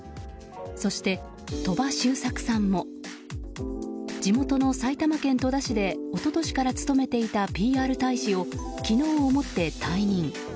そして、鳥羽周作さんも地元の埼玉県戸田市で一昨年から務めていたＰＲ大使を昨日をもって退任。